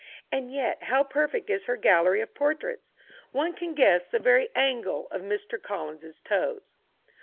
And yet how perfect is her gallery of portraits! One can guess the very angle of Mr. Collins's toes.